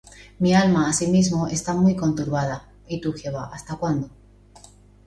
Mi alma asimismo está muy conturbada: Y tú, Jehová, ¿hasta cuándo?